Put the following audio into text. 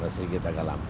sedikit agak lambat